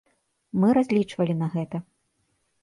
Мы разлічвалі на гэта.